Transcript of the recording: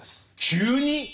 急に？